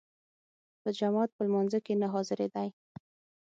په جماعت په لمانځه کې نه حاضرېدی.